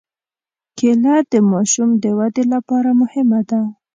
کېله د ماشوم د ودې لپاره مهمه ده.